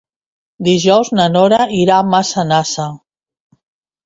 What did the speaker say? Dijous na Nora irà a Massanassa.